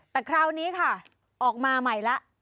แต่คราวนี้ค่ะออกมาใหม่แล้ว